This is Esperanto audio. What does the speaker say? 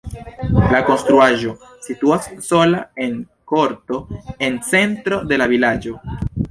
La konstruaĵo situas sola en korto en centro de la vilaĝo.